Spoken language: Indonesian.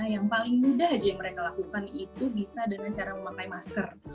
yang paling mudah aja yang mereka lakukan itu bisa dengan cara memakai masker